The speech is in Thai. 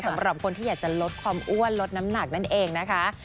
สำหรับคนที่อยากจะลดความอ้วนลดน้ำหนักนั่นเองนะคะ